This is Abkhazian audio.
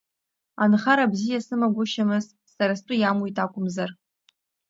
Анхара бзиа сымагәышьамыз, сара стәы иамуит акәымзар…